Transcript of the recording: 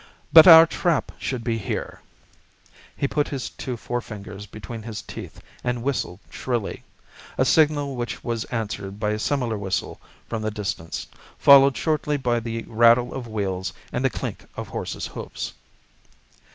But our trap should be here." He put his two forefingers between his teeth and whistled shrilly—a signal which was answered by a similar whistle from the distance, followed shortly by the rattle of wheels and the clink of horses' hoofs.